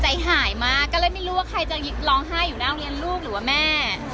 ใจหายมากก็เลยไม่รู้ว่าใครจะร้องไห้อยู่หน้าโรงเรียนลูกหรือว่าแม่